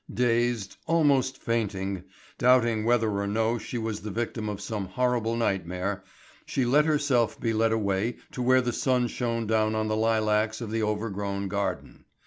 Dazed, almost fainting, doubting whether or no she was the victim of some horrible nightmare, she let herself be led away to where the sun shone down on the lilacs of the overgrown garden.